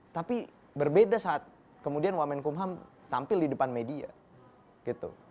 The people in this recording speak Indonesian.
tapi berbeda saat kemudian wamenkumham tampil di depan media gitu